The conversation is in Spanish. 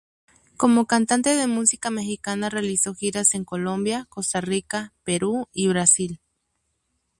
Como cantante de música mexicana realizó giras en Colombia, Costa Rica, Perú y Brasil.